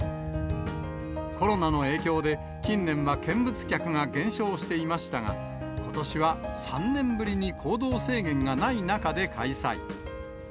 コロナの影響で、近年は見物客が減少していましたが、ことしは３年ぶりに行動制限がない中で開催。